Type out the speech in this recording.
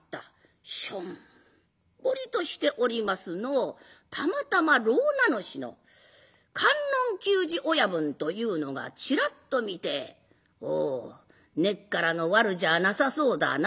しょんぼりとしておりますのをたまたま牢名主の観音久次親分というのがチラッと見て「おお根っからの悪じゃなさそうだな。